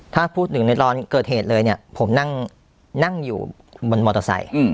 ถ้าพูดถึงในตอนเกิดเหตุเลยเนี่ยผมนั่งอยู่บนมอเตอร์ไซค์